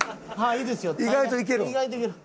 意外といけるん？